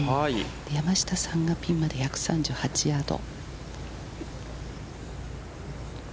山下さんがピンまで約３８ヤード。